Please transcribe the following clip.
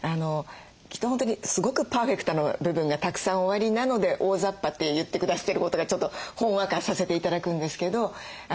きっと本当にすごくパーフェクトな部分がたくさんおありなので大ざっぱって言って下さってることがちょっとほんわかさせて頂くんですけど。